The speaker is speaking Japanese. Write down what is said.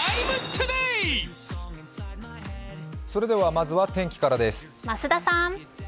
まずは天気からです。